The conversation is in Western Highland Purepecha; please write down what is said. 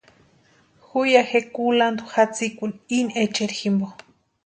Ju ya kulantu jatsikuni íni echeri jimpo.